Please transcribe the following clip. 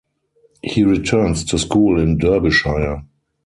He returns to school in Derbyshire.